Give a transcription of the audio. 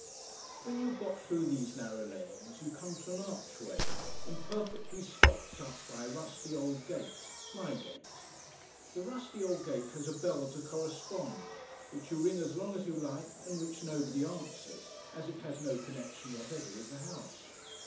When you have got through these narrow lanes, you come to an archway, imperfectly stopped up by a rusty old gate—my gate. The rusty old gate has a bell to correspond, which you ring as long as you like, and which nobody answers, as it has no connection whatever with the house.